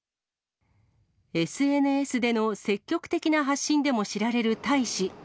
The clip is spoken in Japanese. ＳＮＳでの積極的な発信でも知られる大使。